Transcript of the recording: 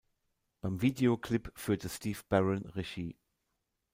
Beim Videoclip führte Steve Barron Regie.